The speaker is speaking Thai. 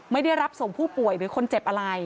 ไม่ได้รับส่งผู้ป่วยหรือคนเจ็บอะไร